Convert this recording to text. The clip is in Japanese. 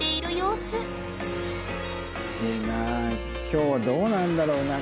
今日どうなるんだろうな？